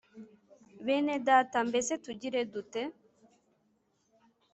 bene Data mbese tugire dute